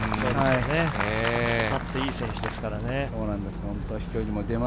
勝っていい選手ですからね。